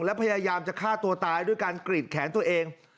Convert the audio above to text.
และพยายามจะฆ่าตัวตายด้วยการกรีดแขนตัวเอง